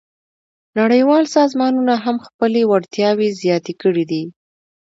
نړیوال سازمانونه هم خپلې وړتیاوې زیاتې کړې دي